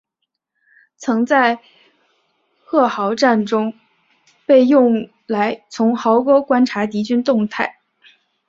曾在堑壕战中被用来从壕沟观察敌军动态。